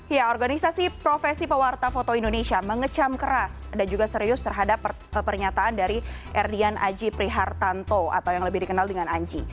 ya organisasi profesi pewarta foto indonesia mengecam keras dan juga serius terhadap pernyataan dari erdian aji prihartanto atau yang lebih dikenal dengan anji